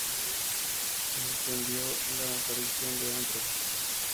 Se suspendió la aparición de Anthrax.